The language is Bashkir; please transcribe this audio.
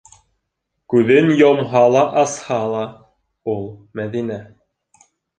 Күҙен йомһа ла, асһа ла - ул, Мәҙинә.